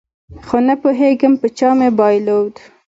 خو نپوهېږم په چا مې بایلود